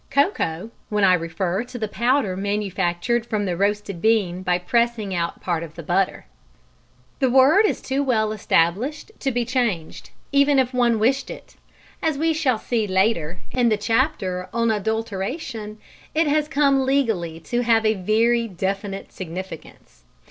Cocoa, when I refer to the powder manufactured from the roasted bean by pressing out part of the butter. The word is too well established to be changed, even if one wished it. As we shall see later (in the chapter on adulteration) it has come legally to have a very definite significance.